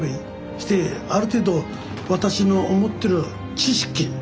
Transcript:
してある程度私の思ってる知識